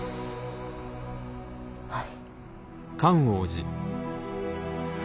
はい。